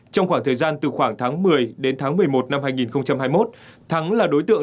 trong khoảng thời gian từ khoảng tháng một mươi đến tháng một mươi một năm hai nghìn hai mươi một thắng là đối tượng